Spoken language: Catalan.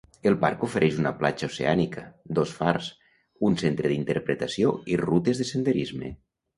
El parc ofereix una platja oceànica, dos fars, un centre d'interpretació i rutes de senderisme.